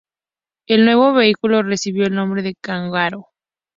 El nuevo vehículo recibió el nombre de "Kangaroo".